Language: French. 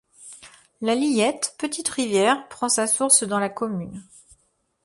La Liette, petite rivière, prend sa source dans la commune.